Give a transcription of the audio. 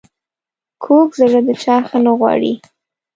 کوږ زړه د چا ښه نه غواړي